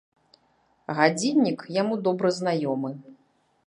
Гадзіннік яму добра знаёмы.